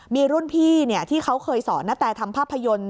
มีรุ่นพี่ที่เขาเคยสอนนาแตทำภาพยนตร์